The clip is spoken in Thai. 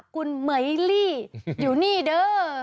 คุณไหมลี่อยู่นี่เด้อ